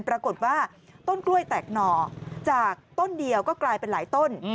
ปรากฏว่าต้นกล้วยแตกหน่อจากต้นเดียวก็กลายเป็นหลายต้น